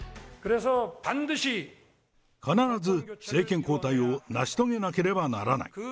必ず政権交代を成し遂げなければならない。